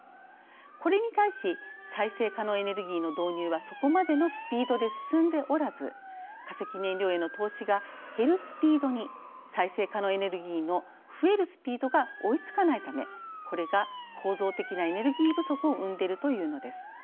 これに対し再生可能エネルギーの導入はそこまでのスピードで進んでおらず化石燃料への投資が減るスピードに再生可能エネルギーの増えるスピードが追いつかないためこれが、構造的なエネルギー不足を生んでいるというのです。